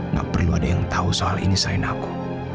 gak perlu ada yang tau soal ini selain aku